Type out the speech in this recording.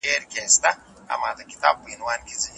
چې د نقاش د خیال خمار پرې مات شي.